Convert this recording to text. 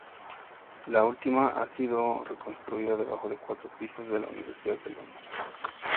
La última ha sido reconstruida, debajo de cuatro pisos de la Universidad de Londres.